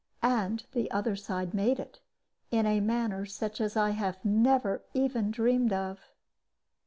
And the other side made it, in a manner such as I never even dreamed of.